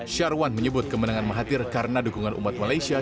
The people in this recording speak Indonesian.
syarwan menyebut kemenangan mahathir karena dukungan umat malaysia